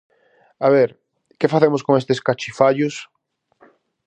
A ver, que facemos con estes cachifallos?